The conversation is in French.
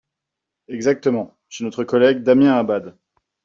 Exactement, chez notre collègue Damien Abad.